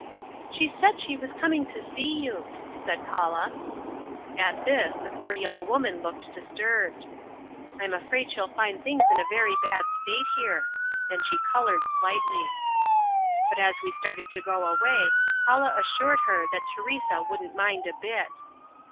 "She said she was coming to see you," said Paula. At this the poor young woman looked disturbed. "I'm afraid she'll find things in a very bad state here," and she colored slightly. But as we started to go away Paula assured her that Teresa wouldn't mind a bit.